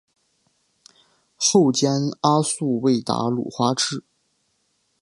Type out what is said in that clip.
后兼阿速卫达鲁花赤。